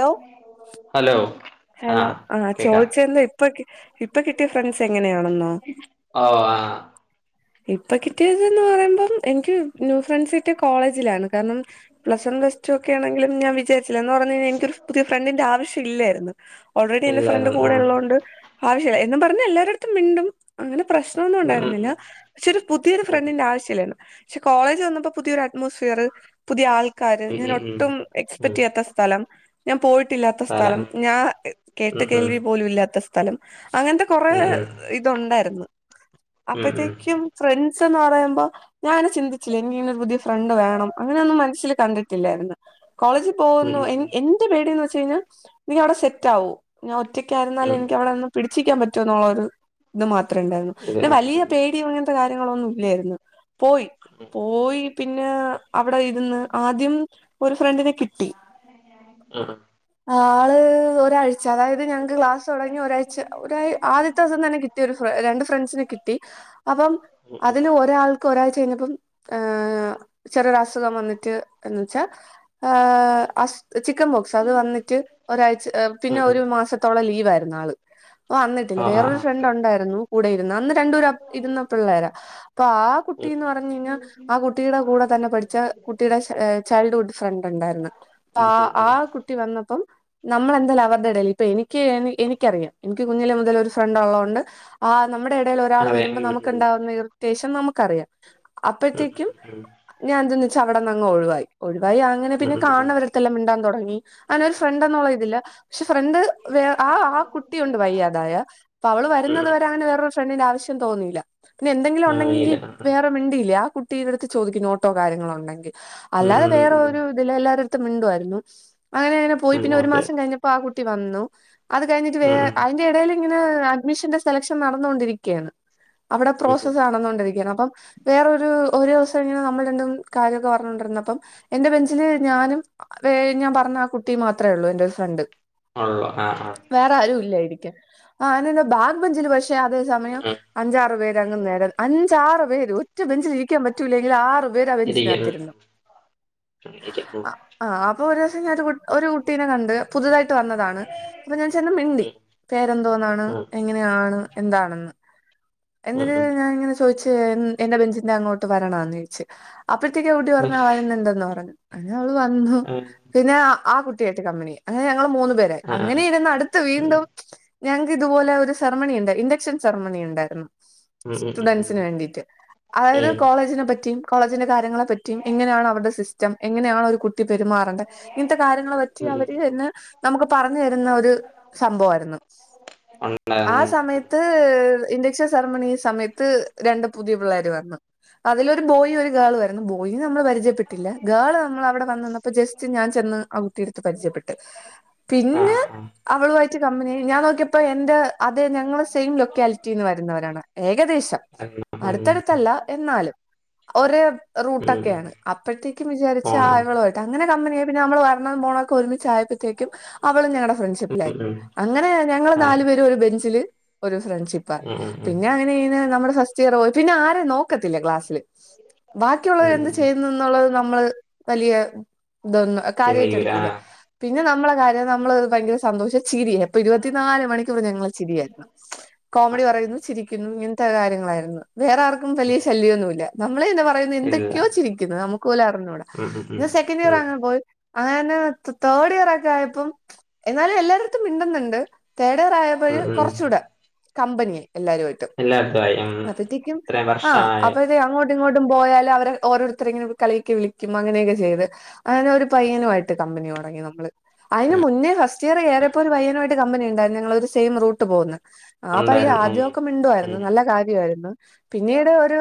Hello hello hello ആഹ് ആ കേക്കാം ചോദിച്ചന്താ ഇപ്പ ഇപ്പ കിട്ടിയ ഫ്രണ്ട്സ് എങ്ങനെയാണെന്നോ ഓ ആഹ് ഇപ്പ കിട്ടിയത് ന്ന് പറയുമ്പം എനിക്ക് ന്യൂ ഫ്രണ്ട്സായിട് കോളെ ളജിലാ കാരണം പ്ലസ് വൺ് പ്ലസ്ടു ഒക്കെ ആണെങ്കിലും ഞാൻവിജാരിച്ചില്ല എന്ന് പറഞ്ഞ് കഴിഞ്ഞൽ എനികൊരു പുതിയ ഫ്രണ്ടിന്റെ ആവശ്യം ഇല്ലായിരുന്നു ഓൾറെഡി എന്റെ ഫ്രണ്ട് ഇല്ലായിരുന്നു കൂടെ ഉം ഉള്ളൊണ്ട് ആവശ്യല്ല യിരുന്നും പറഞ്ഞ എല്ലാരടത്തും മിണ്ടും അങ്ങനെ പ്രശ്നൊന്നും ണ്ടായിരുന്നില്ല ഉം പക്ഷെ ഒരു പുതിയൊരു ഉം ഫ്രണ്ടിന്റെ ആവശ്യല്ലലോ പക്ഷെ കോളേജ് വന്നപ്പോ പുതിയൊരു അറ്റ്മോസ്ഫിയർ പുതിയ ആൾക്കാര് ഞാൻ ഉം ഉം ഉം ഉം ഒട്ടും ഉം ഉം. എക്സ്പെക്ടിയ്യാത്ത സ്ഥലം ഞാൻ പോയിട്ടില്ലാത്ത തല സ്ഥലം ഞാ കേട്ട് ഉം ഉം കേൾവി പോലുഇല്ലാത്ത സ് സ്ഥലം അങ്ങനത്തെ കൊറെേ ഉം ഉം ഇതു ണ്ടായിർന്ന് ഉം ഉം അപ്പഴ്ത്തേക്കും ഫ്രണ്ട്സ് എന്ന് പറയുമ്പോ ഞാനങനെ ചിന്തിച്ചില്ല എനി ഇങനെ ഒരു പുതിയ ഫ്രണ്ട് വേണം അങ്ങനെയൊന്നും മനസ്സിൽ കണ്ടിട്ടില്ലായിര്ന്നു കോളേജ് പോവുന്നു ഉം ഉം എന്റെ പേടീന്ന് വെച്ച് കഴിഞാൽ നീ അവിടെ സെറ്റാകോ ഞാൻ ഉം ഒറ്റക്കായിരുന്നാലും ഉം എനിക്കവിടെന്ന് പിടിച്ചിക്കാൻ പറ്റോ എന്നുള്ള ഒരു ഇത് മാത്രമേ ഉണ്ടായിരുന്നു ഇത് പിന്നെ വലിയ ആഹ് പേടി [unintelligible] ത്ര കാര്യങ്ങളൊന്നും ഇല്ലായിരുന്നു പോയി പോയി പിന്നെ അവിടെ ഇരുന്ന് ആദ്യം ഒരു ഫ്രണ്ടിനെ കിട്ടി ഉം ആള് ഒരാഴ്ച അതായത് ഞങ്ങക്ക് ക്ലാസ് തുടങ്ങി ഒരാഴ്ച ഒര് ആദ്യത്തെ ദിവസം തന്നെ കിട്ടി ഒരു രണ്ട് ഫ്രണ്ട്സിനെ കിട്ടി അപ്പം ഉം അതിന് ഒരാൾക്ക് ഒരാഴ്ച കഴിഞ്ഞപ്പം ഏ ചെറിയൊരു അസുഖം വന്നിട്ട് എന്ന് വെച്ചാൽ ആഹ് അസു- ചിക്കൻ ബോക്സ് അത് വന്നിട്ട് ഒരാഴ്ച പിന്നെ ഉം ഉം. ഒരു മാസത്തോളം ലീവ് ആയിരുന്നു ആള് ഓ അന്നിട്ടില്ല ആഹ് വേറൊരു ആഹ് ഫ്രണ്ട് ഓക്കെ ഉണ്ടായിരുന്നു കൂടെ ഇരുന്ന് അന്ന് രണ്ട് പേര് ഇരുന്ന പിള്ളേരാ അപ്പം ആ കുട്ടിന്ന് ഉം പറഞ്ഞ് കഴിഞ്ഞാൽ ആ കുട്ടിയുടെ കൂടെ തന്നെ പഠിച്ച കുട്ടിയുടെ ചൈൽഡ്ഹുഡ് ഫ്രണ്ട് ഉണ്ടായിരുന്നു ഉം ആ ഉം ഉം ഉം ആ കുട്ടി വന്നപ്പം നമ്മളെന്താല് അവരുടെ ഇടയിൽ ഇപ്പൊ എനിക്ക് എനി എനിക്കറിയാം എനിക്ക് കുഞ്ഞിലെ മുതല് ഒരു ഫ്രണ്ട് ഒള്ള കൊണ്ട് ആ നമ്മുടെ ഇടയിൽ ഒരാള് അതെ വരുമ്പോ ഉം ഉം നമുക്ക് ഉം ഇണ്ടാവുന്ന ഇറിറ്റേഷൻ നമുക്കറിയാം ഉം ഉം അപ്പഴത്തേക്കും ഉം ഞാൻ ചെന്നേച്ചു അവിടന്ന് അങ്ങ് ഒഴിവായി ഒഴിവായി അങ്ങനെ പിന്നെ ഉം ഉം ഉം കാണവര ത്തലമിണ്ടാൻ തൊടങ്ങി അങ്ങനെ ഒരു ഫ്രണ്ട്ന്നുള്ള ഇതില് പക്ഷെ ഫ്രണ്ട് വേ ആ ആ കുട്ടിയുണ്ട് വയ്യാതായ അപ്പൊ അവള് വരുന്നത് വരെ അങ്ങനെ വേറൊരു ഫ്രണ്ട്ണ്ടിന്റെ ആവശ്യം തോന്നിയില്ല പിന്നെ എന്തെങ്കിലും ആഹ് ഉണ്ടെങ്കിൽ നീല ആഹ് വേറെ മിണ്ടില്ലേ ആ കു തീവേടുത്ത് ചോദിക്കന്ന ഒട്ടോ കാര്യങ്ങളോണ്ടെങ്കിൽ ഉം അല്ലാതെ ഉം ഉം വേറെ ഉം ഒരു ഇവിടെ ഒള്ള എല്ലാരടത്തും മിണ്ടുവായിരുന്നു അങ്ങനെ പോയി ഉം പിന്നെ ഒരു ഓക്കെ മാസം കഴിഞ്ഞപ്പോ ആ കുട്ടി വന്നു. അത് കഴിഞ്ഞിട്ട് വേ ഉം ഉം അതിന്റെ ഇടയിൽ ഇങ്ങനെ അഡ്മിഷന്റെ സെലക്ഷൻ നടന്നോണ്ട് ഇരിക്കയാണ് അവിടെ ഉം ഉം പ്രോസസ് നടനോണ്ട് ഇരിക്കേണ് അപ്പം വേറൊരു ഒരു ദിവസം ഇങ്ങനെ നമ്മള് രണ്ടും കാര്യമൊക്കെ പറഞ്ഞ കൊണ്ടിരുന്ന അപ്പം എന്റെ ബെഞ്ചില് ഞാനും. വേ ഞാൻ പറഞ്ഞ ആ കുട്ടി മാത്ര ഒള്ളു എന്റെ ഫ്രണ്ട് ഒള്ളോ ആഹ് ആഹ് വേറെ ആരും ഇല്ല ഇരിക്കാൻ ആഹ് അയ്യന് എന്ന ബാഗ് ബെഞ്ചില് പക്ഷെ അതേ സമയം ഉം അഞ്ചാറ് പേര് അങ്ങ് നേര അഞ്ചാറ് പേര് ഒറ്റ ബെഞ്ചില് ഇരി ഇരിക്കാൻ പറ്റൂല്ലെങ്കിലും ആറുപേര് അ വെഞ്ചിന് ഇരിക്ക് അകത്തിരുന്നു ഉം ഇരിക്ക് ഉം ആഹ് അപ്പൊ ഒരു ദിവസം ഞാൻ ഒരു ഒരു കുട്ടീനെ കണ്ട് പുതുതായിട്ട് വന്നതാണ് അപ്പൊ ഞാൻ ചെന്ന് മിണ്ടി ഉം പേര് എന്തോന്ന് ആണ് ഉം എങ്ങനെ ആണ് എന്ത് ആണ് എന്ന് എന്തിന് ഉം ആണ് ഞാന് ഇങ്ങനെ ചോ ചോച്ച് എന്റെ ബെഞ്ചിന്റെ അങ്ങോട്ട് വരണോന്ന് ചോയിച്ച് അപ്പഴത്തേക്ക് ആ കുട്ടി ഉം പറഞ്ഞു വരുന്നുണ്ടന്ന് പറഞ്ഞു അങ്ങനെ അവള് വന്നു ഉം പിന്നെ ആ കുട്ടിയായിട്ട് കമ്പനിയായി അങ്ങനെ ഞങ്ങള് മൂന്നു പേരായി ആഹ് അങ്ങനെ ഇരുന്ന് അടു- അത്ത് ഉം വീണ്ടും ഞങ്ങക്ക് ഇതുപോലെ ഒരു സറമണി ഇണ്ട് ഇൻഡക്ക്ഷൻ സറമണി ഉണ്ടായിരുന്നു ഉം ഉം ഉം സ്റ്റുഡന്റ്സിന് വേണ്ടിട്ട് ഉം അതായത് ഉം കോളേജിനെ പറ്റി കോളേജിന്റെ കാര്യങ്ങളെ പറ്റിയും എങ്ങനെയാണ് അവരുടെ സിസ്റ്റം എങ്ങനെയാണ് ഒരു കുട്ടി പെരുമാറ ണ്ട് ഇങ്ങനത്തെ കാര്യങ്ങളെ പറ്റി ഉം അവര് ഇത് ഉം. എന്ന് നമുക്ക് പറഞ്ഞു തരുന്ന ഒരു സംഭവമായിരുന്നു ആ ഉണ്ടായിരുന്നു സമയത്ത് ത്ത് ഇൻഡക്ഷൻ സെർമണി സമയത്ത് രണ്ട് പുതിയ പിള്ളേര് വന്നു അതിലൊരു ബോയി ഒരു ഗേളും ആയിരുന്നു ബോയി നമ്മൾ പരിചയപ്പെട്ടില്ല ഗേള് നമ്മൾ അവിടെ വന്നപ്പോ ജസ്റ്റ് ഞാൻ ചെന്ന് ആ കുട്ടിയേടുത്ത് പരിചയപ്പെട്ട് പിന്നെ ആഹ് ആഹ് അവളുമായിട്ട് കമ്പനിയായി ഞാൻ നോക്കിയപ്പ എന്റെ അതേ ഞങ്ങള് സെയിം ലൊക്കാലിറ്റിന്ന് വരുന്നവരാണ് ഏകദേശം [unintelligible] അടുത്ത് അടുത്ത് അല്ല എന്നാലും ഒരേ ഉം ഉം. റൂട്ടൊക്കെയാണ് അപ്പഴത്തേക്കും വിചാരിച്ച് ആ പോണം ഇവളുമായിട്ട് അങ്ങനെ കമ്പനിയായി പിന്നെ നമ്മള് വരണതും പോണതും ഒരുമിച്ച് ചായപ്പത്തേക്കും അവളും ഞങ്ങളുടെ ഉം ഫ്രണ്ട്ഷിപ്പിലായി ഉം അങ്ങനെ ഞങ്ങള് ആഹ് നാലു പേരും ഒരു ബെഞ്ചില് ഒരു ഫ്രണ്ട്ഷിപ്പായി ഉം ഉം ഉം പിന്നെ അങ്ങനെ ഇങ്ങനെ നമ്മുടെ ഫസ്റ്റ് ഇയർ പോയി പിന്നെ ആരേം നോക്കത്തില്ല ക്ലാസ്സില് ബാക്കിയുള്ളവര് ഉം എന്ത് ഉം ഉം ചെയ്യുന്നു എന്നുള്ളത് നമ്മള് വലിയ ഇതൊന്നും പിന്നെ കാര്യമായിട്ട് യൂല എടുക്കൂല പിന്നെ നമ്മളെ കാര്യം നമ്മള് ഭയങ്കര സന്തോഷം ചിരിയാ അപ്പോ ഇരുപത്തിനാല് മണിക്കൂർ ഞങ്ങൾ ചിരിയായിരുന്നു കോമഡി ആഹ് ഉം പറയുന്നു ചിരിക്കുന്നു ത്ത കാര്യങ്ങളായിരുന്നു വേറെ ആർക്കും വലിയ ഉം. ശല്യമൊന്നും ഇല്ല നമ്മള് എന്താ പറ ഭയ ഇല്ല എന്തൊക്കെയോ ചിരിക്കുന്നു നമുക്ക് പോലും അറിഞ്ഞൂട ഉം ഉം ഉം സെക്കൻ് ഇയർങ്ങെ പോയി അങ്ങനന്നെ ത് തേർഡ് ഇയർ ഒക്കെ ആയപ്പം എന്നാലും എല്ലായിടത്തും മിണ്ടുന്നുണ്ട് തേർഡ് ഇയർ ആയ ഉം പഴ് ഉം ഉം കുറച്ചൂടെ കമ്പനിയായി എല്ലാരുംമായിട്ട് എല്ലായിടത്തും ആയി ഉം ട്ട് അപ്പത്തേക്കും ഇത്രയും ആ വർഷമായി അപ്പഴത്തേക്ക് അങ്ങോട്ട് ഇങ്ങോട്ടും പോയാല് അവരെ ഓരോരുത്തരെയിങ്ങനെ കളിയാക്കി വിളിക്കും അങ്ങനെയൊക്കെ ചെയ്ത് അങ്ങനെ ഒരു പയ്യനുമായിട്ട് കമ്പനി തുടങ്ങി നമ്മള് അതിന് ഉം മുന്നേ ഫസ്റ്റ് ഇയർ കയറിയപ്പോ ഒരു പയ്യന്വായ്ട്ട് ട്ട് കമ്പനി ഉണ്ടായിരുന്നു ഞങ്ങള് ഒരു സെയ്ം റൂട്ട് പോകുന്നു ആ പ്പയ്യൻ ഉണ്ടായിരുന്നു ഉം ആദ്യമൊക്കെ മിണ്ടോയിരുന്നു ഉം നല്ല കാര്യായിരുന്നു. പിന്നീട് ഒരു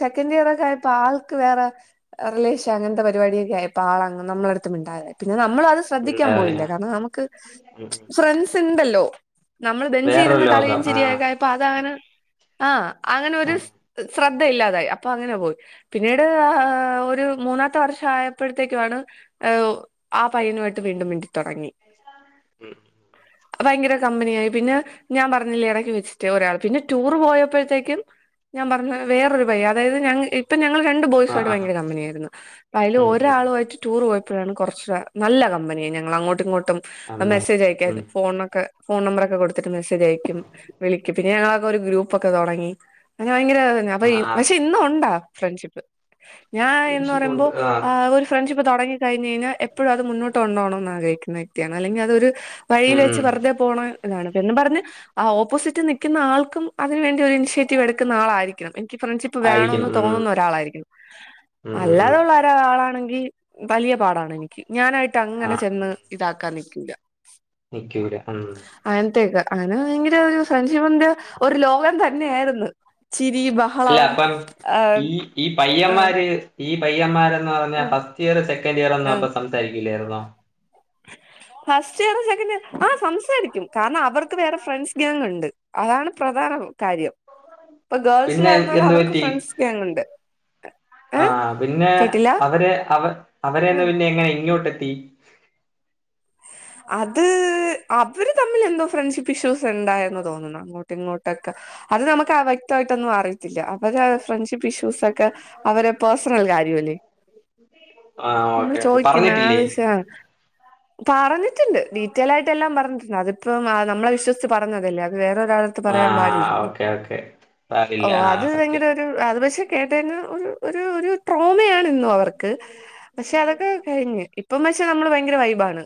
സെക്കൻഡ് ഇയർ ഒക്കെ ആയപ്പോ ആൾക്ക് വേറെ റിലേഷൻ അങ്ങനത്തെ പരിപാടിയക്കെ ആയപ്പോ ആൾ നമ്മളടത്തും മിണ്ടാതായി പിന്നെ നമ്മൾ അത് ശ്രദ്ധിക്കാൻ ഉണ്ടായി പോയില്ല ആ. കാരണം നമുക്ക് ഉം ഉം. ഫ്രണ്ട്സ് ഇണ്ടല്ലോ നമ്മള് ബെഞ്ചീ വേറൊരു ഇരുന്ന് കളിയും ലോകം ആഹ് ചിരിയക്കായപ്പോ അതങ്ങനെ ആ അങ്ങനെ ഒരു ഉം ഇത് ശ്രദ്ധയില്ലാതായി അപ്പൊ അങ്ങനെ പോയി പിന്നീട് ആ ആ ആ ആ ഒരു മൂന്നാത്തെ വർഷം ആയപ്പോഴത്തേക്കും ആണ് ഓരോ ആ പയ്യനുമായിട്ട് വീണ്ടും വീണ്ടും മിണ്ടി തുടങ്ങി ഉം ഭയങ്കര കമ്പനിയായി പിന്നെ ഞാൻ പറഞ്ഞില്ലേ ഇടക്ക് വെച്ചിട്ട് ഒരാൾ പിന്നെ ടൂർ പോയപ്പോഴത്തേക്കും ഞാൻ പറഞ്ഞ വേറൊരു പൈയൻ അതായത് ഞങ്ങൾ അപ്പ ഞങ്ങള് രണ്ട് ആഹ് ബോയ്സുവായിട്ട് ആഹ് ഭയങ്കര കമ്പനിയായിരുന്നു അപ്പ അയ്യ്ല് ഉം ഉം ഒരാളുമായിട്ട് ടൂറ് പോയപ്പോഴാണ് കൊറച്ച് നല്ല കമ്പനിയായി ഞങ്ങള് അങ്ങോട്ടും ഇങ്ങോട്ടും അമ്മ മെസ്സേജ് ഉം അയക്കാരുന്നു ഫോണൊക്കെ ഫോൺ നമ്പറൊക്കെ കൊടുത്തിട്ട് മെസ്സേജ് അയക്കും വിളിക്കും പിന്നെ ഞങ്ങളൊക്കെ ഒരു ഗ്രൂപ്പ് ഒക്കെ തുടങ്ങി അങ്ങന ഭയങ്കര അപ്പ ആഹ് ആഹ് പക്ഷെ ഇന്നും ഉണ്ടാ ഫ്രണ്ട്ഷിപ്പ് ഞാൻ എന്ന് ഫ്രണ്ട്ഷിപ്പ് പറയുമ്പോ ഉണ്ട് ആഹ് ആ ഒരു ഫ്രണ്ട്ഷിപ്പ് തുടങ്ങി കഴിഞ്ഴിഞ്ഞാൽ എപ്പോഴും അ മോട്ടുണ്ടോണംന്ന് ആഗ്രഹിക്കുന്ന വക്തിയാണ് അല്ലെങ്കിൽ അത് ഒരു വഴിൽ ഉം വെച്ച് ഉം വെറുതെ പോണ് അതാണ് എന്നും പറഞ്ഞ് ആ ഓപ്പോസിറ്റ് നിൽക്കുന്ന ആൾക്കും അതിന് വേണ്ടി ഒരു ഇനിഷ്യേറ്റീവ് എടുക്കുന്ന ആളായിരിക്കണംന്ന് എനിക് ഫ്രണ്ട്ഷിപ്പ് വേണംന്ന് ആയിരിക്കണം ഉം തോന്നുന്ന ഒരാളായിരിക്കും ഉം ഉം ഉം അല്ലാതെള്ള ഒരാളാണെങ്കിൽ വലിയ പാടാണ് എനിക്ക് ഞാനായിട്ട് അങ്ങനെ ആഹ് ചെന്ന് ഉം ഇതാക്കാൻ നിൽക്കില്ല നിക്കൂല ആം അങ്ങനത്തേക്ക് അങ്ങന ഭയങ്കര ഒരു പ്രൻഷിപ്ന്റെ ഒരു ലോകം തന്നെയായിരുന്നു ചിരി അല്ല ബഹളം അപ്പം ആഹ് ഉം ഈ ഈ പയ്യന്മാര് ഈ പയ്യന്മാരന്ന് പറഞ്ഞാ ആഹ് ഫസ്റ്റ് ഇയർ സെക്കൻഡ് ഇയർ ഒന്നും ആഹ് അപ്പം സംസാരിക്കില്ലായിരുന്നോ? ഫസ്റ്റ് ഇയറും സെക്കൻ്റ് ഇയർ ആ സംസാരിക്കും കാരണം അവർക്ക് വേറെ ഫ്രണ്ട്സ് ഗേങ്ങ് ഉണ്ട് അതാണ് പ്രധാനം കാര്യം ഇപ്പൊ പിന്നെ ഗേൾസിലാരുന്നാലും എന്ത് അവർക്ക് ഫ്രണ്ട്സ് ഗാങ്ങ്ണ്ട് ആഹ് ആഹ് പിന്നെ അവര് അവര് അവരെന്ന് ഉം പിന്നെ എങ്ങനെ ഇങ്ങോട്ട് എത്തി അത് ഹ് അവര് തമ്മിൽ എന്തോ ഫ്രണ്ട്ഷിപ്പ് ഇഷ്യൂസ് ഉണ്ടായന്ന് തോന്നുന്നു അങ്ങോട്ടും ഇങ്ങോട്ടൊക്കെ അന് നമുക്ക് വ്യക്തമായിട്ടൊന്നും അറിയത്തില്ല അപ്പൊ ഫ്രണ്ട്ഷിപ്പ് ഇഷ്യൂസ് ഒക്കെ അവരെടെ പേഴസണൽ കാര്യമ അല്ലേ ആഹ് നമ്മൾ ഓക്കെ ഓക്കെ ചോദിക്കുന്ന പറഞ്ഞിട്ടില്ലേ ശ് പറഞ്ഞ് ഇണ്ട് ഡീറ്റെൽായിട്ട് എല്ലാം പറഞ്ഞിട്ടണ്ട് അതിപ്പംമ്മെ വിശ്സിച്ച് പറഞ്ഞതല്ലേ അത് വേറെരാള് പറൻ ആഹ് പടില്ലോ ഓക്കെ ഓക്കെ സാരില്ല അത് ആഹ് ഭയ സത്യം അത് പക്ഷെ കേട്ട ഒരുഒരു ഒരു ട്രോമയാണ് അവർക്ക് പക്ഷെ അതൊക്കെ കഴിഞ്ഞ് ഇപ്പം പഷെ നമ്മള് ഭയങ്കര വൈബാണ്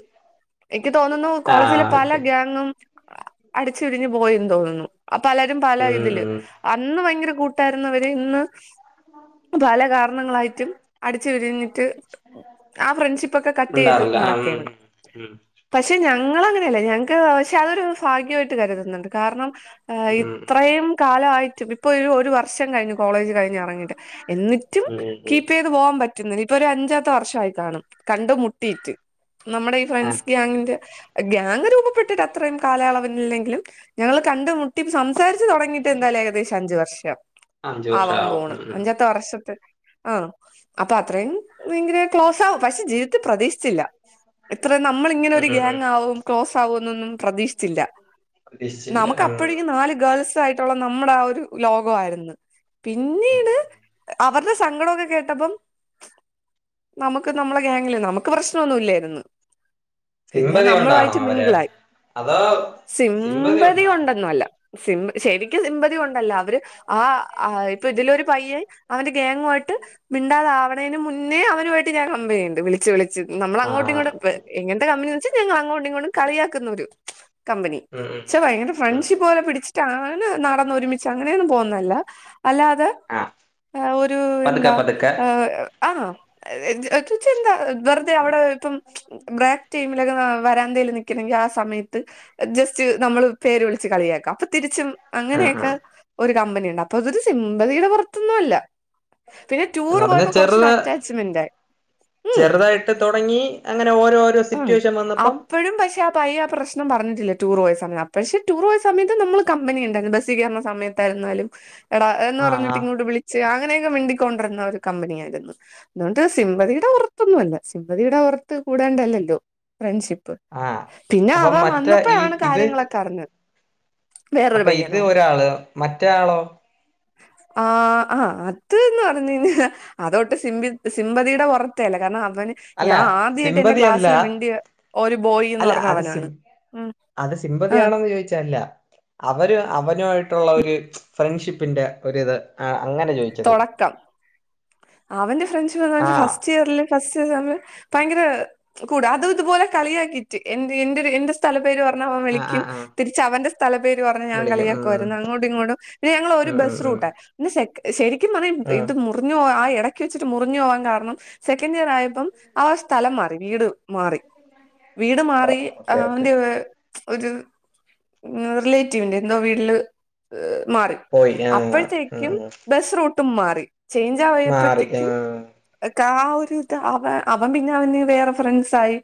എനിക്ക് തോന്നുന്നു കോളേജിലെ ആഹ് പല ഓക്കെ ഗ്യാങ്ങും ആ അടിച്ചുപരിഞ്ഞു പോയിന്ന് തോന്നുന്നു. ആ പലരും പല ഉം ഇതില് ഉം അന്ന് ഭയങ്കര കൂട്ടായിരുന്നവര് ഇന്ന് പല കാരണങ്ങളായിട്ടും അടച് വിരിഞ്ഞി റ്റ് ആ ഫ്രണ്ട്ഷിപ്പ് ഒക്കെ കട്ട് ചെയ്ത് ഉണ്ടാറില്ല ആഹ് നടകെയാണ് ഉം പക്ഷെ ഞങ്ങള് അങ്ങനെയല്ല ഞങ്ങക്ക് പക്ഷെ അതൊരു ഭാഗ്യമാ കരുതുന്നുണ്ട് കാരണം ഉം ഉം ഇത്രയും കാലമായിട്ടും ഇപ്പൊ ഒരു വർഷം കഴിഞ്ഞു കോളേജ് കഴി ഇറങ്ങിട്ട് എന്നിട്ടും ഉം ഉം ഉം കീ ഉം പേ ൻ പറ്റുന്നില്ല ഇപ്പൊ ഒരു അഞ്ചാത്തെ വർഷമായി കാണും കണ്ട് മുട്ടിയിട്ട്. നമ്മുടെ ഈ ഫ്ര ആഹ് ഗ്യാങ്ങിൻ്റെ ഗ്യാങ് രൂപപ്പെട്ടിട്ട് അത്രയും കാലയളവനില്ലെങ്കിലും ഞങ്ങള് കണ്ട് മുട്ടി സം സംസാരിച്ച് തുടങ്ങിട്ട് എന്താലും ഏകദേശം അഞ്ച് വർഷം അഞ്ച് വർഷം ആവാൻ ആവും പോണ് ഉം ഉം അഞ്ചത്തെ വർഷത്ത് ആഹ് അപ്പൊ അത്രയും ഇങ്ങനെ ക്ലോസ് ആകും പക്ഷെ ജീവിതത്തിൽ പ്രതീക്ഷിച്ചില്ല ഇത്ര ന നമ്മളിങ്ങനെ ഒരു ഉം ഉം ഉം. ഗ്യാങ് ആകും ക്ലോസ് ആകും എന്നൊന്നും പ്രതീക്ഷിച്ചില്ല പ്രതീക്ഷിച്ചില്ല നമുക്ക് അപ്പഴും ഇങ്ങ നാല് ഗേൾസ് ആയിട്ടുള്ള നമ്മുടെ ആ ഒരു ലോകായിരുന്നു ഉം പിന്നീട് ഉം അവരുടെ സങ്കടമൊക്കെ കേട്ടപ്പം നമുക്ക് നമ്മളെ ഗാങ്ങിലേ നമുക്ക് പ്രശ്നമൊന്നും ഇല്ലായിരുന്നു. പിന്നെ സിമ്പതി കൊണ്ടാണോ നമ്മളുമായിട്ട് അവര് മിംഗിളായി അതോ സിമ്പതി കൊണ്ടൊന്നും അല്ല. സിം ശരിക്കും സിമ്പതി കൊണ്ടല്ല അവര് ആഹ് ആഹ് ഇപ്പൊ ഇതിലെ ഒരു പയ്യൻ അവന്റെ ഗേങ്ങുമായിട്ട് മിണ്ടാതാവണേന് മുന്നേ അവനമായിട്ട് ഞാൻ കമ്പിനിയുണ്ട്. വിളിച്ച് വിളിച്ച് നമ്മള അങ്ങോട്ടും ആഹ് ഇങ്ങോട്ട് എങ്ങനത്തെ കമ്പനിന്ന് വെച്ചാൽ ഞങ്ങള് അങ്ങോട്ടും ഇങ്ങോട്ടും കളിയാക്കുന്ന ഒരു കമ്പനി ഉം ഉം ഭയങ്കര ഉം ഫ്രണ്ട്ഷിപ്പ് പോലെ പിടിച്ചിട്ടാണ് നടന്ന് ഒരു മി അങ്ങനെയൊന്നും പോവുന്നല്ല അല്ലാതെ ആഹ് ഒരു എന്താ പതുക്കെ പതുക്കെ ആഹച്ച എന്താ വെറുതെ അവിടെ ഇപ്പം ട്രാക്ക് ടൈമിലൊക്കെ വരാന്തേല് നിക്കണെങ്കിൽ ആ സമയത്ത്. ജസ്റ്റ് നമ്മള് പേര് വിളിച്ച് കളിയാക്കാ അപ്പൊ തിരിച്ചും ആഹ് അങ്ങനെയൊക്കെ ആഹ് ഒരു കമ്പനിയുണ്ട് അപ്പൊ ഇതൊരു സിമ്പതിയുടെ പുറത്തൊന്നും അല്ല. പിന്നെ എന്ന് ടൂറ് പറഞ്ഞ പോയപ്പോ കുറച്ചൂടി ചെറുത് അറ്റാച്ച്മെന്റ് ആയി ഉം. ചെറുതായിട്ട് തുടങ്ങി അങ്ങനെ ഓരോ. ഉം ആ ഇപ്പോഴും പക്ഷേ ആ പഴയ ആ പ്രശ്നം പറഞ്ഞിട്ടില്ല ടൂർ പോയ സമയത്ത് പക്ഷേ ടൂർ പോയ സമയത്ത് നമ്മൾ കമ്പനി ഉണ്ടായിരുന്നു ബസ് കയറുന്ന സമയ ലും എടാ എന്ന് ആഹ് പറഞ്ഞിട്ട് ആഹ് ഇങ്ങോട്ട് വിളിച്ച് അങ്ങനെയൊക്കെ മിണ്ടിക്കൊണ്ടിരുന്ന ഒരു കമ്പനിയായിരുന്നു. അതുകൊണ്ട് സിമ്പതിയുടെ പുറത്തൊന്നുമല്ല സിംമ്പതിയുടെ പുറത്ത് കൂടാണ്ടല്ലല്ലോ ഫ്രണ്ട്ഷിപ്പ്. ആഹ് പിന്നെ അവ അപ്പം മറ്റേ ഈ വന്നപ്പോഴാണ് ഇത് കാര്യങ്ങളൊക്കെ അറിഞ്ഞത്. വേറൊരു അപ്പൊ ഇത് പയ്യനോ ഒരാള് മറ്റേ ആളോ? ആഹ് ആഹ് അത് ന്ന് പറഞ്ഞ് കഴി അതൊട്ടും സി സിമ്പതിയുടെ പുറത്തല്ല കാരണം അവന് അല്ല ഞാൻ ആദ്യമായിട്ട് എൻ്റെ സിമ്പതി അല്ല ക്ലാസ് മിടിയ ഒരു ബോയി എന്ന് അല്ല പറഞ്ഞ അത് അവനാണ്. സിം ഉം അത് ആ സിമ്പതിയാണോന്ന് ചോയിച്ചല്ല. അവര് അവനുമായിട്ടുള്ള ഒരു ഫ്രണ്ട്ഷിപ്പിൻ്ന്റെ ഒരിത് ആ അങ്ങനെ ചോദിച്ചത് തുടക്കം അവന്റെ ഫ്രണ്ട്ഷിപ്പ് ആ എന്ന് ഫസ്റ്റ് ഇയറില് ഫസ്റ്റ് സെമ് ഭയങ്കര കൂട അത് ഇതുപോലെ കളിയാക്കിട്ട് എൻ്റെ എൻ്റൊരു എൻ്റെ സ്ഥലപേര് പറഞ്ഞ് അവൻ ആ ആ വിളിക്കും ആ തിരിച്ച് അവന്റെ സ്ഥല പേര് പറഞ്ഞ് ഞാൻ വിളിക്കും ഉം കളിയാക്കുമായിരുന്നു അങ്ങോട്ടും ഇങ്ങോട്ടും പിന്നെ ഞങ്ങള് ഒരു ഉം ഉം ബസ് ഉം റൂട്ട പിന്നെ ശരിക്കും പറഞ്ഞ ഉം ഇത് മുറിഞ്ഞു പോ ആ ഇടയ്ക്ക് വെച്ചിട്ട് മുറിഞ്ഞു പോവാൻ കാരണം സെക്കൻഡ് ഇയർ ആയപ്പം അവൻ സ്ഥലം മാറി വീട് മാറി വീട് ഓ, മാറി ഓക്കെ ഓക്കെ അവൻ്റെ ഒരു റിലേറ്റീവിന്റെ എന്തോ വീട്ടില് മാറി പോയി ആ ഉം അപ്പോഴത്തേക്കും ഉം ബസ് റൂട്ടും മാറി ചേഞ്ച് മാറി ആ ആയപ്പോത്തേക്കും ക്ക ആ ഒരു ഇത് അവ അവൻ പിന്നെ അവന് വേറെ ഫ്രെണ്ട്സ് ആയി.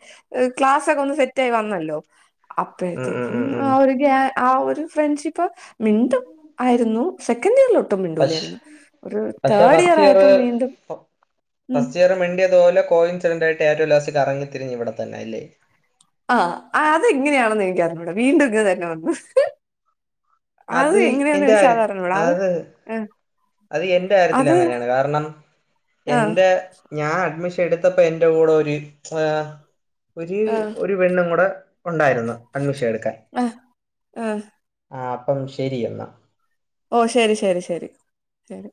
ക്ലാസ്സൊക്കെ ഒന്ന് സെറ്റ് ആയി വന്നല്ലോ. ഉം ഉം അപ്പോഴത്തേക്കും ഉം ആ ഉം ഒരു ഗ ആ ഒരു ഫ്രണ്ട്ഷിപ്പ് മിണ്ടും ആയിരുന്നു. സെക്കൻഡ് ഇറിൽ ഒട്ടും പക്ഷെ ഒരു പക്ഷെ തേർഡ് ഇയർ ഫസ്റ്റ് ഇയർറ് ആയപ്പോ വീണ്ടും ഉം ഫസ്റ്റ് ഇയ മിണ്ടിയത്പോലെ കോയിൻസിഡൻസ് ആയിട്ട് ഏറ്റവും ലാസ്റ്റ് കറങ്ങിതിരിഞ് ഇവിടെ തന്ന ആയില്ലേ ആ അതെങ്ങനെയാണെന്ന് എനിക്ക റിഞൂടാ വീണ്ടും ഇങ്ങനെ തന്നെ വന്ന് അത് എങ്ങനെയാന്ന്വെച്ച അതറിഞ്ഞൂടാ അത് അത് എന്റെ അത് കാര്യത്തിലാണ് അങ്ങനെയാണ് കാരണം ആ എൻ്റെ ഞാൻ അഡ്മിഷൻ എടുത്തപ്പോ എന്റെ കൂടെ ഒരു അ ഒര് ആ ഒരു പെണ്ണും കൂടെ ഉണ്ടായിരുന്നു അഡ്മിഷൻ എടുക്കാൻ ആ ആ ആ അപ്പം ശരി എന്നാ ഓ ശരി ശരി ശരി